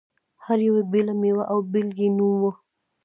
هر یوې بېله مېوه او بېل یې نوم و.